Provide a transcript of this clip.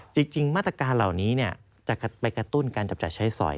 จริงมาตรการเหล่านี้จะไปกระตุ้นการจับจ่ายใช้สอย